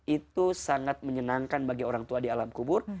itu sangat menyenangkan bagi orang tua di alam kubur